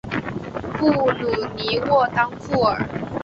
布吕尼沃当库尔。